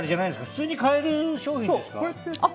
普通に買える商品ですか？